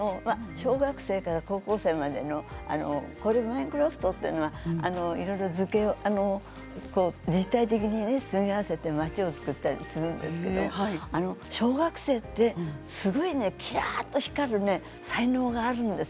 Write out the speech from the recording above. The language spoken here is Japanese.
小学生から高校生までのマインクラフトというのはいろいろ図形を立体的に積み合わせて町を作ったりするんですけど小学生って、すごいきらっと光る才能があるんです。